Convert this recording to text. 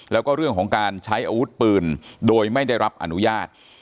แล้วก็เรื่องของการใช้อาวุธปืนโดยไม่ได้รับอนุญาต